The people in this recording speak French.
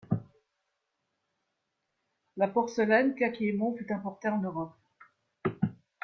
La porcelaine Kakiémon fut importée en Europe.